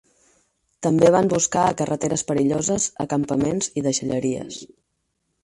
També van buscar a carreteres perilloses, a campaments i deixalleries.